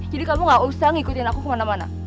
jadi kamu gak usah ngikutin aku kemana mana